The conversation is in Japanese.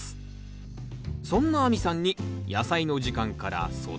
そんな亜美さんに「やさいの時間」から卒業問題です